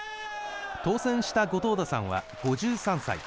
当選した後藤田さんは５３歳。